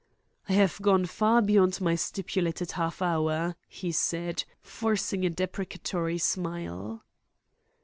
"I have gone far beyond my stipulated half hour," he said, forcing a deprecatory smile.